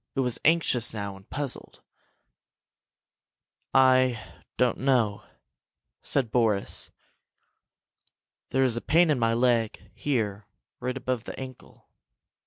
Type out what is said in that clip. It was anxious now, and puzzled. "I don't know," said Boris. "There is a pain in my leg here, right above the ankle.